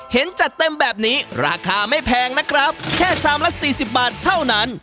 จัดเต็มแบบนี้ราคาไม่แพงนะครับแค่ชามละ๔๐บาทเท่านั้น